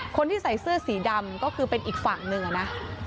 คนที่ใส่เสื้อสีดำก็คือเป็นอีกฝั่งหนึ่งอะนะ